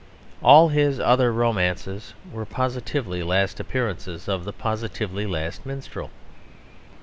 All his other romances were positively last appearances of the positively last Minstrel.